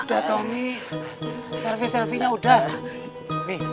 udah tommy selfie selfienya udah